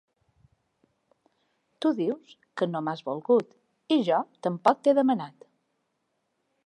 Tu dius que no m’has volgut i jo tampoc t’he demanat.